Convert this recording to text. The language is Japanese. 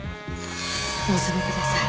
お納めください。